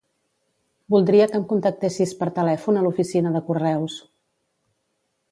Voldria que em contactessis per telèfon a l'oficina de correus.